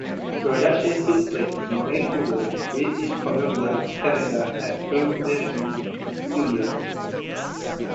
Production took place in Vancouver, British Columbia, Canada at Burnaby Studios.